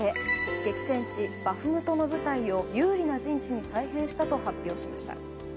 激戦地バフムトの部隊を有利な陣地に再編したと発表しました。